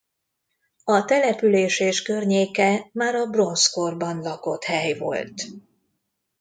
A település és környéke már a bronzkorban lakott hely volt.